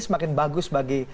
semakin bagus bagi